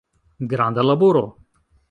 Granda laboro.